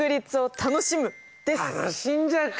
楽しんじゃうか。